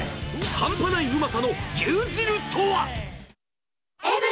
半端ないうまさの牛汁とは？